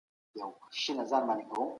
موږ بايد مفکرين ولرو.